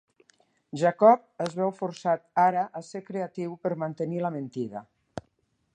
Jacob es veu forçat ara a ser creatiu per mantenir la mentida.